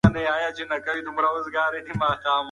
عسکر د خپل مشر په خبرو کې د رښتیني صداقت نښې ولیدلې.